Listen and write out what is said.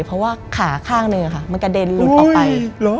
เพราะว่าขาข้างหนึ่งมันกระเด็นหลุดออกไป